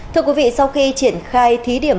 thưa quý vị sau khi triển khai thí điểm